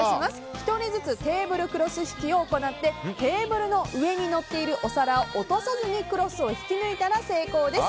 １人ずつテーブルクロス引きを行ってテーブルの上に乗っているお皿を落とさずにクロスを引き抜いたら成功です。